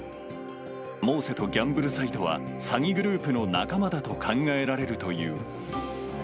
モーセとギャンブルサイトは詐欺グループの仲間だと考えられるという。